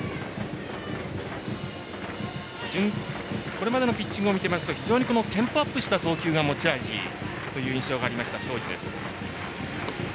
これまでのピッチングを見ていると非常にテンポアップした投球が持ち味という印象がありました庄司です。